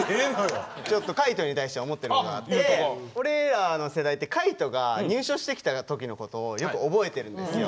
ちょっと海人に対して思ってることがあって俺らの世代って海人が入所してきた時のことをよく覚えてるんですよ。